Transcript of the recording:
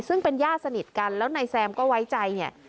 ซึ่งเป็นญาติสนิทกันแล้วนายแซมก็ไว้ใจเนี่ย